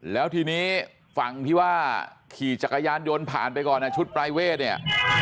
แล้วทีนี้ฝั่งที่ว่าขี่จักรยานยนต์ผ่านไปก่อนชุดปรายเวทเนี่ย